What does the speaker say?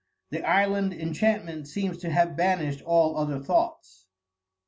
The island enchantment seems to have banished all other thoughts.